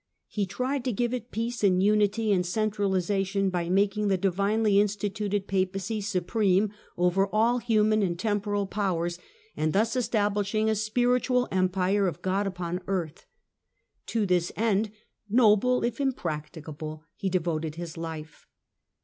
He tried to give it peace and unity and centralization by making the divinely instituted Papacy supreme over all human and temporal powers, and thus establishing a spiritual Empire of God upon earth. To this ideal, noble if impracticable, he devoted his life.